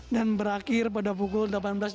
dan berakhir pada pukul delapan belas dua puluh tujuh